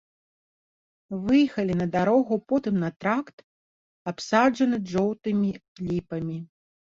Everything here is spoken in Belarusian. Выехалі на дарогу, потым на тракт, абсаджаны жоўтымі ліпамі.